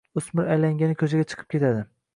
O‘smir aylangani ko‘chaga chiqib ketadi.